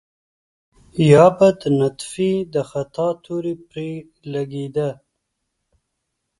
يا به د نطفې د خطا تور پرې لګېده.